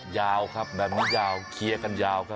ยาวครับแบบนี้ยาวเคลียร์กันยาวครับ